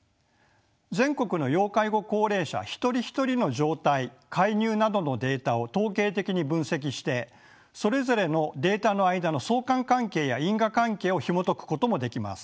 全国の要介護高齢者一人一人の状態介入などのデータを統計的に分析してそれぞれのデータの間の相関関係や因果関係をひもとくこともできます。